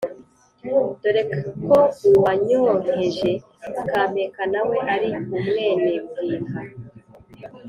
dore ko uwanyonkeje akampeka nawe ari umwenebwimba